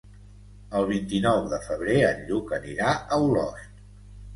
El vint-i-nou de febrer en Lluc anirà a Olost.